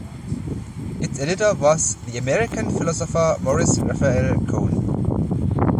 Its editor was the American philosopher Morris Raphael Cohen.